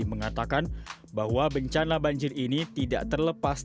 mengatakan bahwa bencana banjir ini tidak terlepas